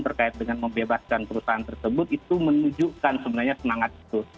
terkait dengan membebaskan perusahaan tersebut itu menunjukkan sebenarnya semangat itu